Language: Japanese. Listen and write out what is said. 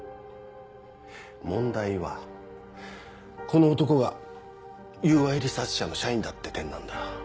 問題はこの男がＵＹリサーチ社の社員だって点なんだ。